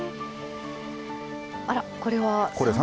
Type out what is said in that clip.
あらこれは？